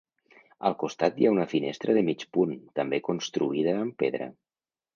Al costat hi ha una finestra de mig punt, també construïda amb pedra.